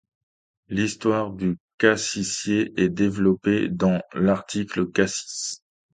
L'histoire du cassissier est développée dans l'article cassis.